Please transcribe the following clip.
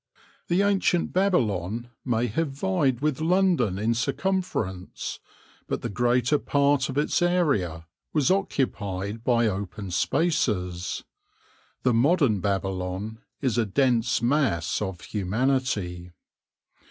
The ancient Babylon may have vied with London in circumference, but the greater part of its area was occupied by open spaces; the modern Babylon is a dense mass of humanity.